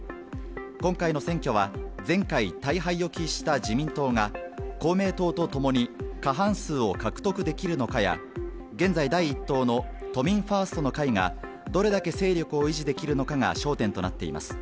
今回の選挙は、前回、大敗を喫した自民党が公明党と共に、過半数を獲得できるのかや、現在、第１党の都民ファーストの会が、どれだけ勢力を維持できるのかが焦点となっています。